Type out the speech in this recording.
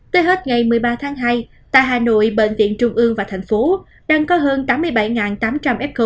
tới hết ngày một mươi ba tháng hai tại hà nội bệnh viện trung ương và thành phố đang có hơn tám mươi bảy tám trăm linh fco